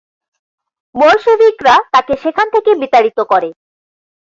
বলশেভিকরা তাকে সেখান থেকে বিতাড়িত করে।